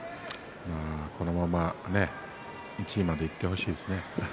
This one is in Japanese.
このまま１位までいってほしいですね。